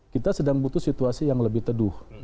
kita sedang butuh situasi yang lebih teduh